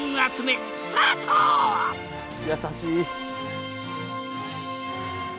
優しい。